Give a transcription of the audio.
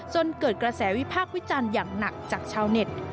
จนเกิดกระแสวิพากษ์วิจารณ์อย่างหนักจากชาวเน็ต